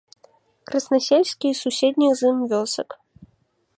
Краснасельскі і суседніх з ім вёсак.